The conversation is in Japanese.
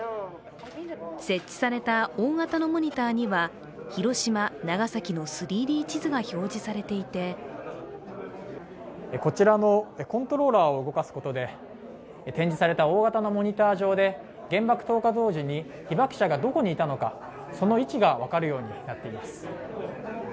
設置された大型のモニターには広島、長崎の３Ｄ地図が表示されていてこちらのコントローラーを動かすことで展示された大型のモニター上で原爆投下当時に被爆者がどこにいたのか、その位置が分かるようになっています。